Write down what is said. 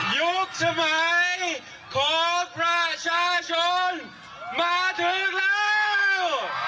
ยุคสมัยของประชาชนมาถึงแล้ว